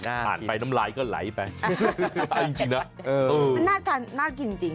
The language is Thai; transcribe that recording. อ่านไปน้ำไหลก็ไหลไปน่ากินจริง